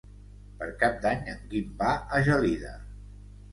Per Cap d'Any en Guim va a Gelida.